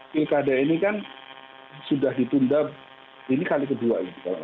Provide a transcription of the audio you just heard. pilkada ini kan sudah ditunda ini kali kedua